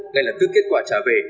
ngay lập tức kết quả trả về